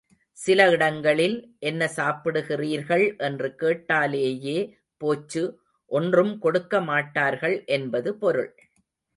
சில இடங்களில், என்ன சாப்பிடுகிறீர்கள் என்று கேட்டாலேயே போச்சு ஒன்றும் கொடுக்க மாட்டார்கள் என்பது பொருள்.